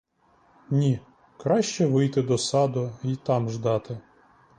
Ні, краще вийти до саду й там ждати!